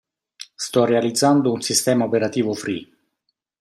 Sto realizzando un sistema operativo free.